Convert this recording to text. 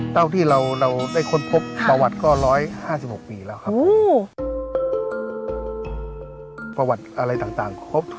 เท่าที่เราได้ค้นพบประวัติก็๑๕๖ปีแล้วครับ